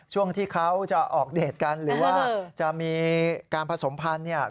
ช่วงที่เขาจะออกเดทกันหรือว่าจะมีการผสมพันธุ์เนี่ย